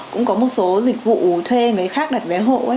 cũng có một số dịch vụ thuê người khác đặt vé hộ